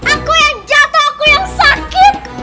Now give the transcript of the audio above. aku yang jatuh aku yang sakit